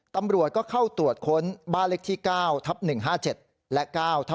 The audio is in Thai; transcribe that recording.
ตำรวจก็เข้าตรวจค้นบ้านเล็กที่๙ทับ๑๕๗และ๙ทับ